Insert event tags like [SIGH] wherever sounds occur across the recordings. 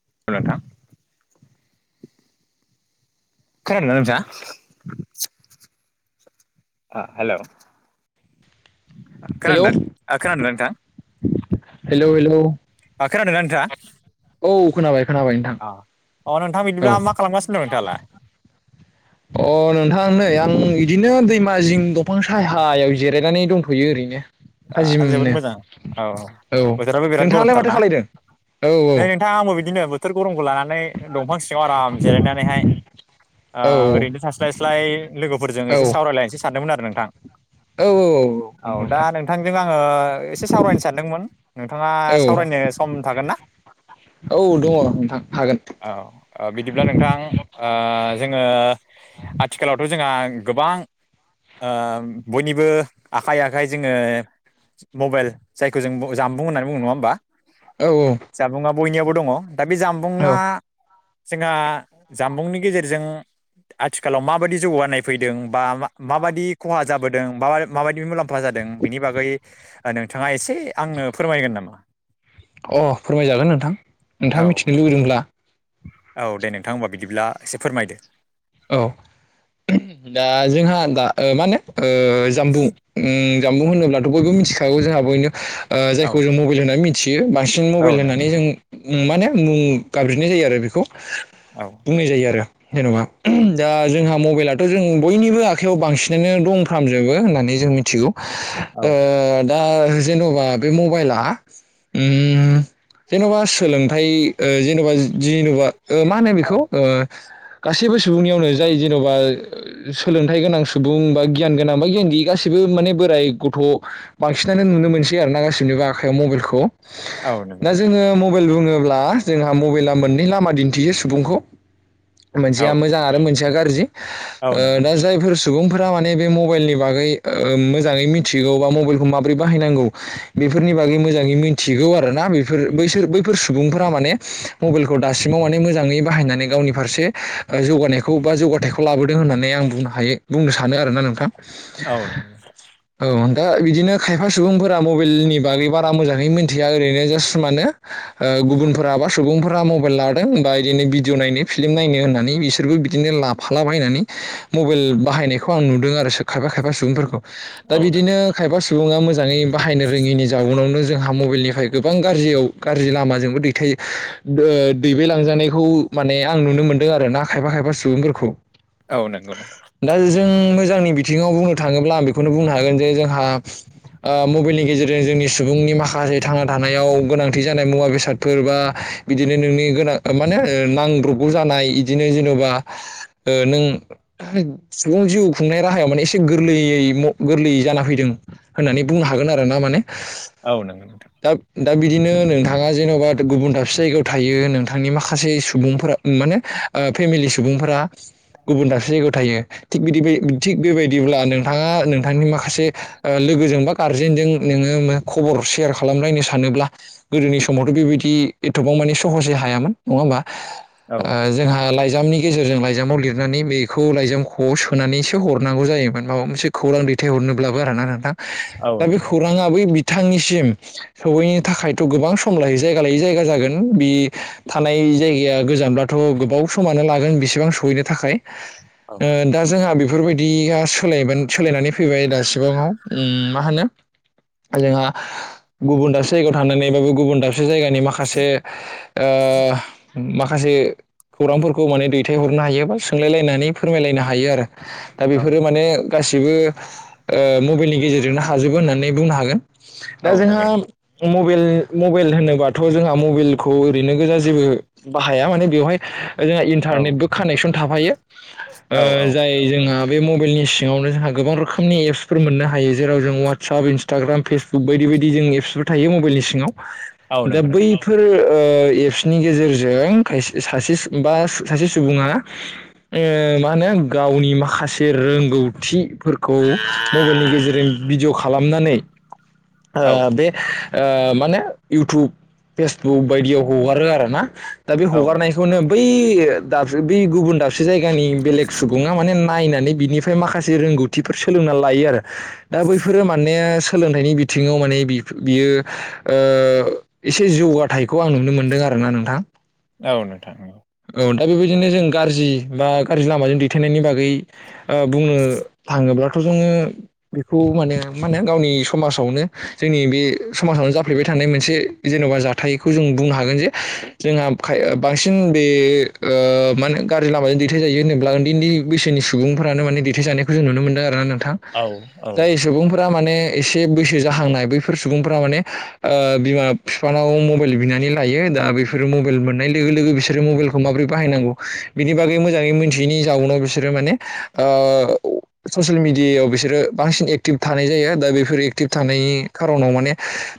[UNINTELLIGIBLE] नोंथां खोनादों ना नोंथाङा? आ हेलौ हेलौ खोनादों ओ खोनादोंना नोंथां हेलौ हेलौ ओ खोनादोंना नोंथाङा औ खोनाबाय खोनाबाय नोंथां। अ नोंथांङा बिदिब्ला मा खालामगासिनो दं नोंथाङालाय अ नोंथां नै आं बिदिनो दैमा जिं दंफां साहायाव जिरायनानै दंथ'यो ओरैनो दा जोबोद थाजिमनो मोजां औ औ बोथोराबो बिराद नोंथाङालाय माथो गरमथारना खालायदों औ नै नोंथाङा आंबो बिदिनो बोथोर गरमखौ लानानै दंफां सिङाव आराम जिरायनानैहाय ओ औ ओरैनो थास्लायस्लाय लोगोफोरजों एसे सावरायलायनोसो सानदोंमोन आरो नोंथां। औ औ औ औ नोंथां ओ एसे सावरायनो सानदोंमोन नोंथाङा औ सावरायनो सम थागोन ना? औ दङ नोंथां खाह औ ओ बिदिब्ला नोंथां जोङो आथिखालावथ' जोंहा गोबां ओ बयनिबो आखाइ आखाइ जोङो मबाइल जायखौ जों जामबुं होननानै बुंङो नङा होमबा औ औ जामबुंआ बयनियावबो दङ दा बे जामबुंआ औ जोंहा जामबुंनि गेजेरजों आथिखालाव माबायदि जौगानाय फैदों बा माबायदि खहा जाबोदों बा माबायदि मुलाम्फा जादों बिनि बागै नोंथाङा एसे आंनो फोरमायगोन नामा? अ फोरमायजागोन नोंथां औ नोंथाङा मिथिनो लुबैदोंब्ला औ दे नोंथां होनबा बिदिब्ला एसे फोरमायदो औ दा जोंहा दा मा होनो ओ जामबुं जामबुं होनोब्लाथ' बयबो मिथिखागौ जोंहा बयनो ओ औ जायखौ जों मबाइल होननानै मिथियो बांसिन मबाइल औ नंगौ होननानै जों उम माने मुं गाब्रिनाय जायो आरो बेखौ औ बुंनाय जायो आरो जेनेबा दा औ जोंहा मबाइलाथ' जों बयनिबो आखाइयाव बांसिनानो दंफ्रामजोबो होननानै जों मिथिगौ ओ दा जेन'बा बे मबाइला उम जेन'बा सोलोंथाइ ओ जेन'बा जेन'बा ओ मा होनो औ बेखौ ओ गासैबो सुबुंनियावनो जाय जेन'बा सोलोंथाइ गोनां सुबुं बा गियान गोनां बा गियान गैयि गासिबो माने बो बोराय गथ' बांसिनानो नुनो मोनसै आरोना गासिनिबो आखाइायाव मबाइलखौ औ नंगौ दा नोंथां जोङो मबाइल बुङो ब्ला जोंहा मबाइला मोननै लामा दिन्थियो सुबुंखौ औ मोनसेया मोजां आरो मोनसेया गार जि औ ओ नंगौ दा जायफोर सुबुंफोरा माने बे मबाइलनि बागै ओ मोजाङै मिथिगौ बा मबाइलखौ माबोरै बाहायनांगौ बेफोरनि बागै मोजाङै मिथिगौ आरो ना बेफोर बैफोर सुबुंफोरा माने मबाइलखौ दासिमाव माने मोजाङै बाहायनानै गावनि फारसे जौगानायखौ बा जौगाथायखौ लाबोदों होननानै आं बुंनो हायो बुंनो सानो आरोना नोंथां औ नंगौ नोंथांं औ दा बिदिनो खायफा सुबुंफोरा मबाइलनि बागै बारा मोजाङै मिथिया ओरैनो जास्ट मानो ओ गुबुनफोरा बा सुबुंफोरा मबाइल लादों बा बिदिनो भिडिअ नायनो फिल्म नायनो होन्नानै बिसोरबो बिदिनो लाफाला बायनानै मबाइल बाहायनायखौ आं नुदों आरो खायफा खायफा सुबुंफोरखौ दा औ नंगौ बिदिनो खायफा सुबुङा मोजाङै बाहायनो रोङिनि जाउनावनो जोंहा मबाइलनिफ्राय गोबां गाज्रियाव गाज्रि लामाजोंबो दैथाय ओ दैबायलांजानायखौ माने आं नुनो मोन्दों आरो ना खायफा खायफा सुबुंफोरखौ औ नंगौ नोंथां जांनि बिथिङाव बुंनो थाङोब्ला आं बेखौनो बुंनो हागोन जे जोंहा ओ मबाइलनि गेजेरजों जोंनि सुबुंनि माखासे थांना थानायाव गोनांथि जानाय मुवा बेसादफोर बा बिदिनो नोंनि गोनां माने नांब्रबगौ जानाय बिदिनो जेन'बा नों सुबुं जिउ खुंनाय राहायाव माने एसे गोरलैयै गोरलै जाना फैदों होननानै बुंनो हागोन आरो ना माने। औ नोंगौ। दा दा बिदिनो नोंथाङा जेन'बा गुबुन दाबसे जायगायाव थायो नोंथांनि माखासे सुबुंफोरा माने फेमिलि सुबुंफोरा गुबुन दाससे जायगायाव थायो थिग बिदि थिग बेबायदिब्ला नोंथाङा नोंथांनि माखासे ओ लोग गोजों बा गार्जेनजों नोङो खबर सेयार खालामलायनो सानोब्ला गोदोनि समावथ' बेबायदि एथबाव मानि सहसै हायामोन नङा होमबा औ जोंहा लाइजामनि गेजेरजों लाइजामाव लिरनानै बेखौ लाइजामखौ सोनानैससे हरनांगौ जायोमोन माबा मोनसे खौ रां दैथायहरनोब्लाबो आरो ना नोंथां औ दा बे नंगौ खौराङा बै बि थांनिसिम सहैनो थाखायथ' गोबां सम लायै जायगा लायै जायगा जागोन बि थानाय बे जायगाया गोजानब्लाथ' गोबाव समानो लागोन बेसेबां सहैनो थाखाय औ ओ दा जोंहा बे फोरबायदिया सोलायब सोलायनानै फैबाय दासिबाङाव मा होनो जोंहा गुबुन दासो जायगायाव थांनानैबाबो गुबुन दा दाबसे जायगानि माखासे ओ माखासे खौरांफोरखौ माने दैथायहरनो हायो बा सोंलायलायनानै फोरमायलायनो हायो आरो। दा औ बेफोरो माने गासिबो ओ मबाइलनि गेजेरजोंनो हाजोबो होननानै बुंनो हागोन। औ दा जोंहा। नंगौ नोंथां मबाइल होनोबाथ' जोंहा मबाइलखौ ओरैनो गोजा जेबो बाहाया माने बेवहाय जोंहा औ इन्टारनेटबो कानेक्सन थाफायो औ औ जाय जोंहा बे मबाइलनि सिङावनो जोंहा गोबां रोखोमनि एप्सफोर मोननो हायो जेराव जों वाट्सएप इन्सटाग्राम फेसबुक बायदि बेबायदि जों एप्सबो थायो मबाइलनि सिङाव औ दा नंगौ नोंथां बैफोर ओ एपसनि गेजेरजों सासे बा सासे सुबुङा मा होनो गावनि माखासे रोंगौ थि। फोरखौ मबाइलनि गेजेरजों भिडिय' खालामनानै औ बे ओ माने इउटुब फेसबुक बायदियाव हगारो आरो ना दा बे औ हगारनाय नंगौ बै बै गुबुन दाबसे जायगानि बेलेग सुबुङा माने‌ न नायनानै बिनिफ्राय माखासे रोंग'थिफोर सोलोंनानै लायो आरो दा बैफोरो माने सोलोंथाइनि बिथिङाव माने बियो एसे ओ जौगाथायाइखौ आं नुनो मोनदों आर ना नोंथां। औ नोंथां। औ दा बेबायदिनो जों गाज्रि बा गाज्रि लामाजों दैथायनायनि बागै ओ बुंनो थाङोब्लाथ' जोङो। बेखौ माने मा होनो गावनि समाजावनो जोंनि बे समाजावनो जाफ्लेबाय थानाय मोनसे जेन'बा जाथायखौ जों बुंनो हागोन जे जोंहा बांसिन बे माने गाज्रि लामाजों दैथायाइ जायो होनोब्ला उन्दै उन्दै बैसोनि सुबुंफ्रानो माने दैथथाय जानायख जों नुनो मोनदों आरोना नोंथां औ जाय सुबुंफोरा मान ने एसे बैसो जाहांनाय बैफोर सुबुंफोरा माने बिमा बिफानाव मबाइल बिनानै लाय यो दा बेफोर मबाइल मोननाय लोगो लोगो बिस सोरो मबाइलखौ माबोरै बाहायनांगौ बिनि बागै मोजाङै मिथियैनि जाउनाव बिसोरो माने ओ ससियेल मिडियायाव बिसोरो बांसिन एक्टिभ थानाय जायो दा बेफोर एक्टिभ थानायनि खार'नाव माने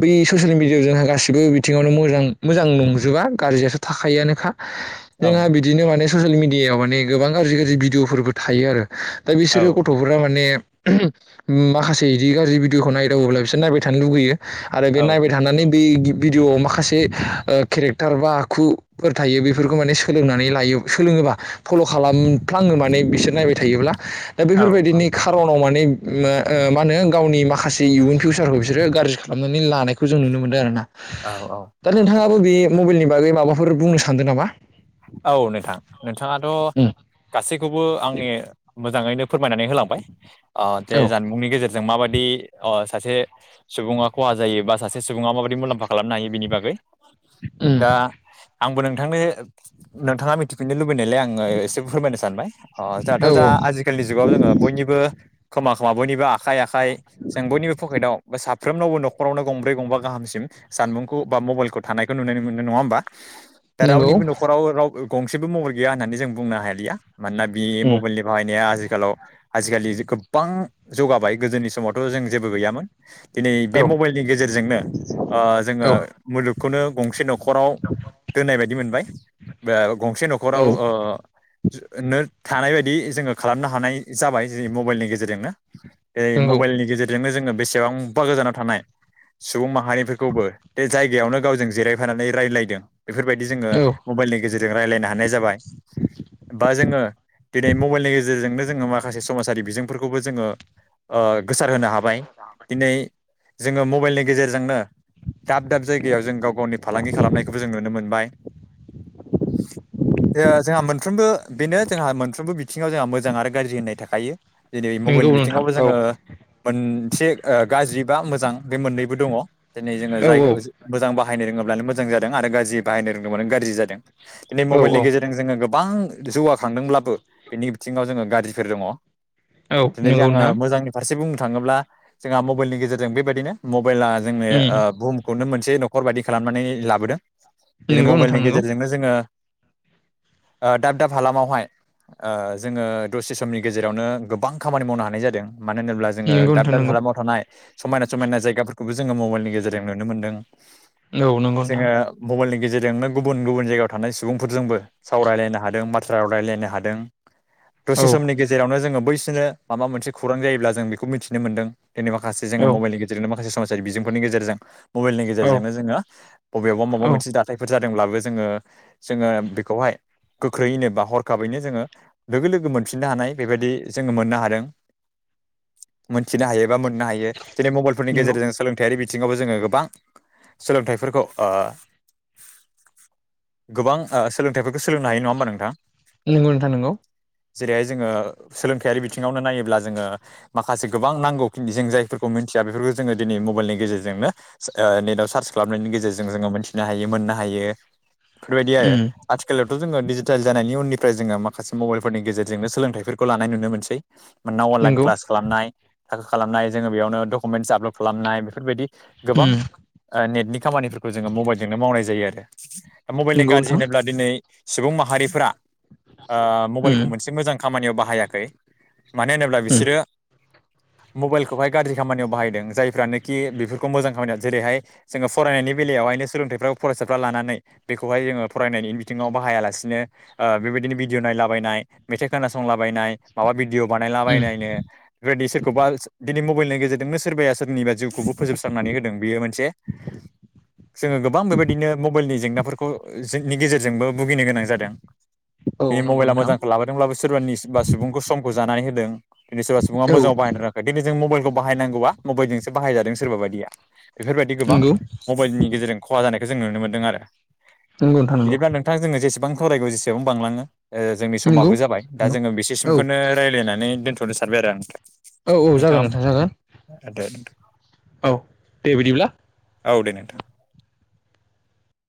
बै ससियेल मिडियायाव जोंहा गासिबो बिथिङावनो मोजां मोजां नंजोबा गाज्रियाथो थाखायोआनोखा औ जोंहा बिदिनो माने ससियेल मिडियायाव माने गोबां गाज्रि गाज्रि भिडिअफोरबो थायो आरो। दा औ बिसोरो गथ'फोरा माने माखासे बिदि गाज्रि भिडिअखौ नायदावोब्ला बिसोर नायबाय थानो लुुबैयो आरो बे औ नायबाय थानानै बे भिडिअ'आव माखासे केरेक्टार बा आखु थायो बेफोरखौ माने सोलोंनानै लायो सोलोङोबा फल' खालामफ्लाङो माने बिसोर नायबाय थायोब्ला। दा औ बेफोरबायदिनि खार'नाव माने। मा होनो गावनि माखासे इयुन फिउसारखौ बिसोरो गाज्रि खालामनानै लानायखौ जों नुनो मोन्दों आर ना। औ औ। बे मबाइलनि बागै माबाफोर बुंनो सानदों नामा? औ नोंथां नोंथाङाथ' उम गासैखौबो आंनि मोजाङैनो फोरमायनानै होलांबाय ओ जे औ जानबुंनि गेजेरजों मा बायदि दि ओ सासे सुबुङा खहा जायो बा सासे सुबुङा माबाददि मुलाम्फा खालामनो हायो बिनि बागै उम दा आंबो नोंथांनो नोंथाङा मिथिफिननो लु बैनायलाय आंङो एसे फोरमायनो सानबाय ओ जोंहाथ' औ जोंहा औ आजिखालिनि जुगाव जोङो बयनिबो खोमा खोमा बयनिबो आखाइ आखाइ जों बयनिबो पकेटआव बा साफ्रोमनावबो न'खरावनो गंब्रै गंबा गाहामसिम सानबुंखौ बा मबाइलखौ थानायखौ नुनो मोनो नङा होमबा? दा नंगौ। रावनिबो न'खराव राव गंसेबो मबाइल गैया होननानै जों बुंनो हालिया मानोना बि उम मबाइलनि बाहायनाया आजि खालाव आजिखालि गोबां जौगाबाय गोदोनि समावथ' जों जेबो गैयामोन। दिनै औ बे मबाइलनि गेजेरजोंनो ओ जोङो औ मुलुगखौनो गंसे न'खराव दोननाय बायदि मोनबाय। बे गंसे न'खराव ओ नो थानाय बायदि जोङो खालामनो हानाय जाबाय जेरै मबाइलनि गेजेरजोंनो। बेै नंगौ मबाइलनि गेजेरजोंनो जोङो बेसेबांबा गोजानाव थानाय। सुबुं माहारिफोरखौबो बे जायगायावनो गावजों जिरायफानानै रायज्लायदों बेफोरबायदि जोङो औ मबाइलनि गेजेरजों रायलायनो हानाय जाबाय बा जोङो दिनै मबाइलनि गेजेरजो जोंनो जोङो माखासे समाजारि बिजोंफोरखौबो जोङो ओ गोसारहोनो हाबाय दिनै जोङो मबाइलनि गेजेरजोंनो दाब दाब जायगायाव जों गाव गावनि फालांगि खालामनायखौबो जों नुनो मोनबाय। जो-जोंहा मोनफ्रोमबो बेनो जोंहा मोनफ्रोमबो बिथिङाव जोंहा मोजां आरो गाज्रि होननाय थाखायो। जेरै नंगौ मबाइल नोंथां बिथिङावबो औ जोङो मोन मोनसे गाज्रि बा मोजां बे मोननैबो दङ दिनै जोङो औ जायखौ मोजां बाहायनो रोङोब ब्लानो मोजां जादों आरो गाज्रि बाहायनो रोंदोंबानो गाज्रि जादों दिनै औ मबाइलनि गेजेरजों जोंङो गोबां जौगाखांदोंब्लाबो बिनि बिथिङाव जोङो गाज्रिफोर दङ। औ दिनै नंगौ आंङो नोंथां मोजांनि फारसे बुंनो थाङोब्ला जोंहा मबाइलनि गेजेरजों बेबायदिनो मबाइला जोंनो उम ओ बुहुमखौनो मोनसे न'खर बायदि खालामनानै लाबोदों जेरै नंगौ नोंथां मबाइलनि नि नंगौ गेजेरजोंनो जोङो दाब दाब हालामावहाय ओ जोङो दसे समनि गेजेरावनो गोबां खामानि मावनो हानाय जादों। मानो होनोब्ला जोङो नंगौ दाब नोंथां दाब नंगौ हालामाव थानाय समायना समायना जायगाफोरखौबो जोङो मबाइलनि गेजेरजों नुनो मोन्दों। औ नंगौ नोंथां जोङो मबाइलनि गेजेरजोंनो गुबुन गुबुन जायगायाव थानाय सुबुंफोरजोंबो सावरायलायनो हादों बाथ्रा रायलायनो हादों। औ दसे समनि गेजेरावनो जोङो बैसोरनो माबा मोनसे खौरां जायोब्ला जों बेखौ मिथिनो मोनदों। दिनै माखासे जोङो औ मबाइलनि गेजेरजोंनो माखासे समाजारि बिजोंफोरनि गेजेरजों मबाइलनि औ गेजेरजोंनो जोंनो बबेयावबा माबा औ मोनसे जाथायफोर जादों दोंब्लाबो जोंङो जोंङो बेखौहाय गोख्रैयैनो बा हरखाबैनो जोङो लोगो लोगो मोनफिननो हानाय बेबायदि जोङो मोननो हादों। मोनथिनो हायो। बा मोननो हायो दिनै मबाइलफोरनि नंगौ गेजेरजों सोलोंथायारि बिथिङावबो जोङो गोबां सोलोंथाइफोरखौ ओ गोबां ओ सोलोंथाइफोरखौ सोलोंनो हायो नङा होमबा नोंथां? नोंगौ नोंथां नंगौ। जेरैहाय जोङो सोलोंथायारि बिथिङावनो नायोब्ला जोङो माखासे गोबां नांगौ [UNINTELLIGIBLE] जों जायफोरखौ मोन मिथिया बेफोरखौ जोङो दिनै मबाइलनि गेजेरजोंनो ओ नेटाव सार्च खालामनायनि गेजेरजों जोङो मिथिनो हायो मोननो हायो। बेफोरबायदि आरो उम आथिखालावथ' जोङो डिजिटेल जानायनि उननिफ्राय जोङो मा माखासे मबाइलफोरनि गेजेरजोंनो सोलोंथाइफोरखौ लानाय नुनो मोनसै मानोना अनलाइन नंगौ क्लास खालामनाय थाखा खालामनाय जोङो बेयावनो डकुमेन्टस आपलड खालामनाय बेफोरबायदि गोबां उम ओ नेटनि खामानिफोरखौ जोङो मबाइलजोंनो मावनाय जायो आरो दा मबाइलनि नंगौ गाज्रि नोंथां होनोब्ला दिनै सुबुं माहारिफोरा ओ उम मबाइलखौ मोनसे मोजां खामानियाव बाहायाखै मानो होनोब्ला उम बिसोरो मबाइलखौहाय गाज्रि खामानियाव बाहायदों जायफ्रानोखि बेफोरखौ मोजां खामानियाव जेरैहाय जोङो फरायनाय नि बेलायावहायनो सोलोंथाइफ्रा फरायसाफ्रा लानानै बेखौहाय जोङो फरायनायनि बिथिङाव बाहायालासिनो ओ बेबायदिनो भिडिअ नायलाबायनाय मेथाइ खोना संला बायनाय माबा बिदि भिडिअ बानायला उम बनायनो बेदि सोरखौबा दिनै मबाइलनि गेजेरजोंनो सोरबाया सोरनिबा जिउखौबो फोजोबस्रांनानै होदों बेयो मोनसे जोङो गोबां बेबायदिनो मबेलनि जेंनाफोरखौनि गेजेरजोंबो भुगिनो गोनां जादों औ बेनि नंगौ मबाइला नोंथां मोजांखौ लाबोदोंब्लाबो सोरबानि बा सुबुंखौ समखौ जानानै होदों दिनै सोरबा सुबुङा औ मोजाङाव बाहायनो रोङाखै दिनै जों मबाइलखौ बाहायनांगौआ मबाइलजोंसो बाहायादों सोरबा बायदिया बेफोरबायदि गोबां नंगौ मबाइलनि गेजेरजों खहा जानायखौ जों नुनो मोन्दों आरो नंगौ नोंथां नंगौ बिदिब्ला नोंथां जोङो जेसेबां सावरायगौ जेसेबां बांलाङो ओ जोंनि नंगौ समाबो जाबाय दा जोङो औ बिसेसिमखौनो रायज्लायनानै दोन्थ'नो सानबाय आरो आं औ-औ नोंथाङा जागोन नोंथां जागोन। औ दे बिदिब्ला औ दे नोंथां